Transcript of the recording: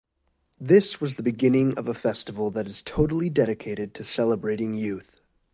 This was the beginning of a festival that is totally dedicated to "Celebrating Youth".